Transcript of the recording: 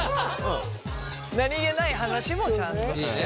何気ない話もちゃんと。